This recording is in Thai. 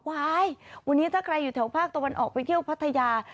วันนี้ถ้าใครอยู่แถวภาคตะวันออกไปเที่ยวพัทยา